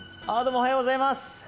おはようございます。